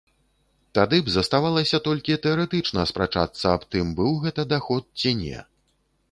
Тады б заставалася толькі тэарэтычна спрачацца аб тым, быў гэта даход ці не.